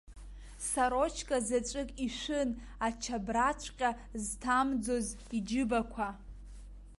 Сарочка заҵәык ишәын, ачабраҵәҟьа зҭамӡоз иџьыбақәа.